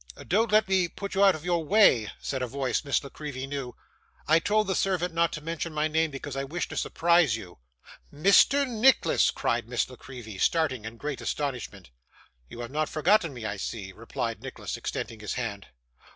'Don't let me put you out of the way,' said a voice Miss La Creevy knew. 'I told the servant not to mention my name, because I wished to surprise you.' 'Mr. Nicholas!' cried Miss La Creevy, starting in great astonishment. 'You have not forgotten me, I see,' replied Nicholas, extending his hand.